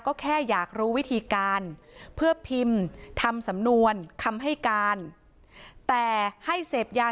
ก็แค่อยากรู้วิธีการเพื่อพิมพ์ทำสำนวนคำให้การแต่ให้เสพยา